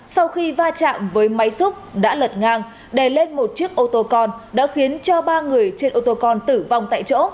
sau khi va chạm với máy xúc đã lật ngang đè lên một chiếc ô tô con đã khiến cho ba người trên ô tô con tử vong tại chỗ